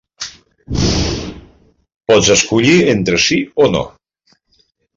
Pots escollir entre sí o no.